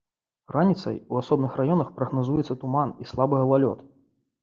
Раніцай у асобных раёнах прагназуецца туман і слабы галалёд.